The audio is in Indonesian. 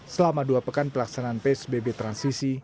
selama dua pekan pelaksanaan psbb transisi